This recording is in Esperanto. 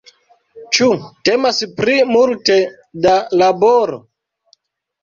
Ĉu temas pri multe da laboro?